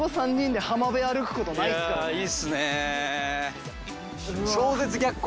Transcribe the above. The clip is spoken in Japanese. いいっすね。